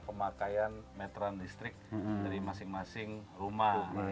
pemakaian meteran listrik dari masing masing rumah